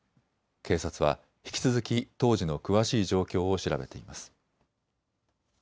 警察は引き続き当時の詳しい状況を調べています。